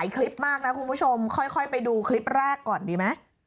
คุณผู้ชมค่อยไปดูคลิปแรกก่อนดีไหม